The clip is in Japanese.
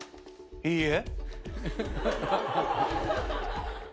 いいえ。